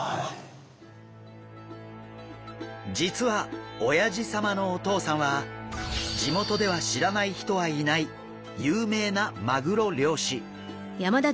実はおやじ様のお父さんは地元では知らない人はいない有名なマグロ漁師。